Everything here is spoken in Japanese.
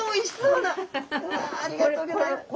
うわありがとうギョざいます。